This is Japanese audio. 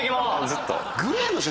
ずっと。